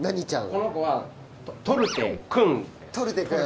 この子はトルテくん。